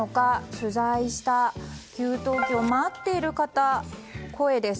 取材した給湯器を待っている方の声です。